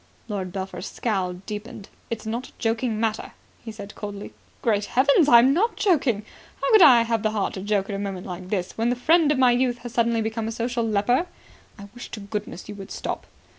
Lord Belpher's scowl deepened. "It's not a joking matter," he said coldly. "Great Heavens, I'm not joking. How could I have the heart to joke at a moment like this, when the friend of my youth has suddenly become a social leper?" "I wish to goodness you would stop."